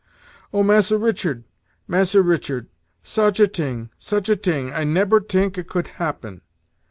"Oh! masser Richard! masser Richard! such a ting! such a ting! I nebber tink a could 'appen!